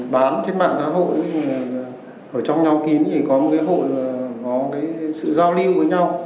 bán trên mạng giá hội ở trong nhóm kín để có một hội sự giao lưu với nhau